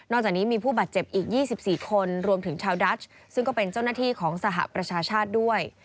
จากนี้มีผู้บาดเจ็บอีก๒๔คนรวมถึงชาวดัชซึ่งก็เป็นเจ้าหน้าที่ของสหประชาชาติด้วย